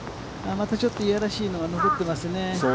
またちょっと嫌らしいのが残ってますね。